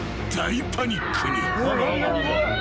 大パニックに］